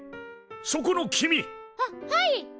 そこの君。ははい。